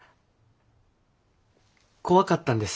怖かったんです。